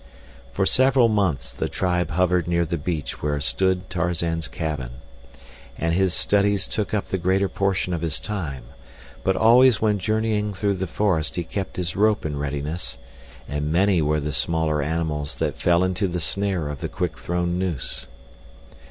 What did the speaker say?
For several months the tribe hovered near the beach where stood Tarzan's cabin, and his studies took up the greater portion of his time, but always when journeying through the forest he kept his rope in readiness, and many were the smaller animals that fell into the snare of the quick thrown noose.